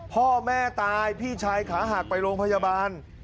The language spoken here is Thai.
พ่อแม่ตายพี่ชายขาหักไปโรงพยาบาล